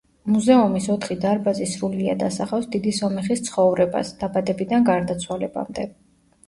მუზეუმის ოთხი დარბაზი სრულიად ასახავს დიდი სომეხის ცხოვრებას, დაბადებიდან გარდაცვალებამდე.